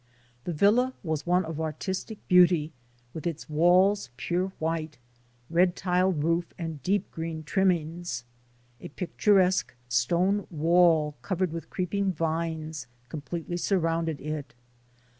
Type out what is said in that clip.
The villa was one of artistic beauty, with its walls pure white, red tiled roof and deep green trimmings, A picturesque stone wall covered with creeping vines completely surrounded it.